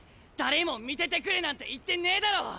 誰も見ててくれなんて言ってねえだろ！